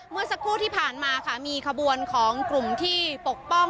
เมื่อสักครู่ที่ผ่านมาค่ะมีขบวนของกลุ่มที่ปกป้อง